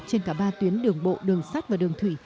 trên cả ba tuyến đường bộ đường sát và đường thủy